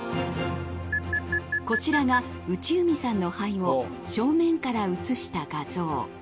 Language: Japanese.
こちらが内海さんの肺を正面から写した画像。